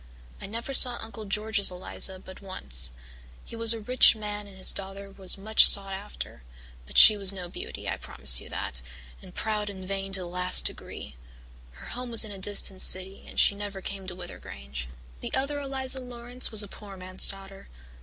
I never saw Uncle George's Eliza but once. He was a rich man and his daughter was much sought after, but she was no beauty, I promise you that, and proud and vain to the last degree. Her home was in a distant city and she never came to Wyther Grange. "The other Eliza Laurance was a poor man's daughter.